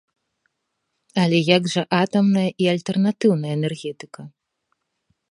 Але як жа атамная і альтэрнатыўная энергетыка?